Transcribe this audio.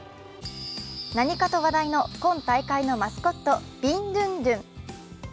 何かと話題の今大会のマスコット、ビンドゥンドゥン。